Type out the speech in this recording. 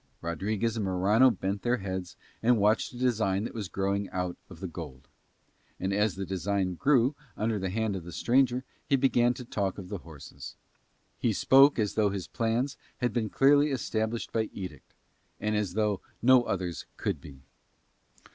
Rodriguez and Morano bent their heads and watched a design that was growing out of the gold. And as the design grew under the hand of the strange worker he began to talk of the horses. He spoke as though his plans had been clearly established by edict, and as though no others could be.